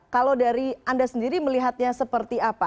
kalau dari anda sendiri melihatnya seperti apa